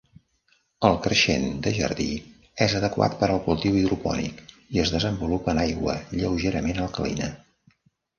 El creixen de jardí és adequat per al cultiu hidropònic i es desenvolupa en aigua lleugerament alcalina.